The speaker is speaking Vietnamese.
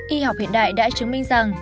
y học hiện đại đã chứng minh rằng